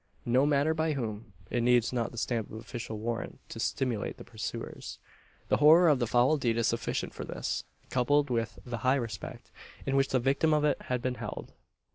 No matter by whom. It needs not the stamp of official warrant to stimulate the pursuers. Their horror of the foul deed is sufficient for this coupled with the high respect in which the victim of it had been held.